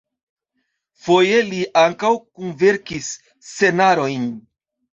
Foje li ankaŭ kunverkis scenarojn.